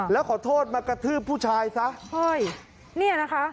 แล้วขอโทษมากระทืบผู้ชายซะเฮ้ยเนี่ยนะคะ